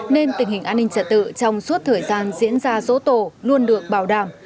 nên tình hình an ninh trật tự trong suốt thời gian diễn ra sổ tổ luôn được bảo đảm